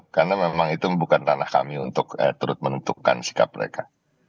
karena memang itu bukan tanah kami untuk menentukan sikap mereka